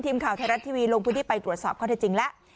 ทีมข่าวไทยรัชทีวีลงพิวดิปรายสีส่องไปจรวดสอบความที่จริงและ